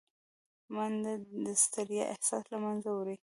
منډه د ستړیا احساس له منځه وړي